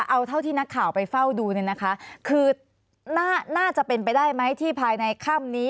เอาเท่าที่นักข่าวไปเฝ้าดูเนี่ยนะคะคือน่าจะเป็นไปได้ไหมที่ภายในค่ำนี้